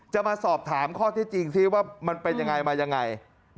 จะมาสอบถามข้อที่จริงว่ามันเป็นอย่างไรมาอย่างไร